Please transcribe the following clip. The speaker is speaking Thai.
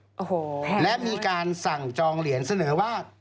โอ้โหและมีการสั่งจองเหรียญเสนอว่า